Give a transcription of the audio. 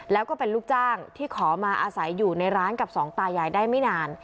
แล้วก็เป็นลูกจ้างที่ขอมาอาศัยอยู่ในร้านกับสองตายายได้ไม่นาน